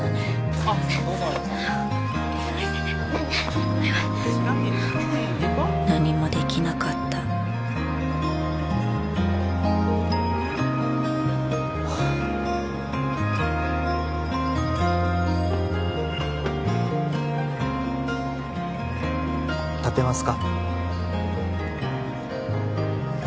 行こう何もできなかった立てますか？